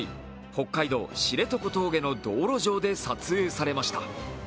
北海道知床峠の道路上で撮影されました。